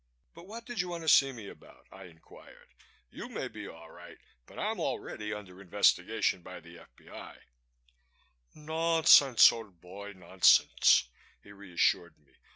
"But what did you want to see me about?" I inquired. "You may be all right but I'm already under investigation by the F.B.I." "Nonsense, old boy, nonsense," he reassured me.